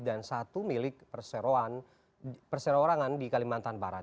dan satu milik perseroan perseroorangan di kalimantan barat